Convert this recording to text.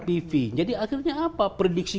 pv jadi akhirnya apa prediksi